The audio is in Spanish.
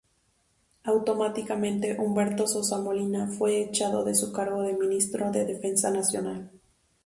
Automáticamente Humberto Sosa Molina fue echado de su cargo de ministro de Defensa Nacional.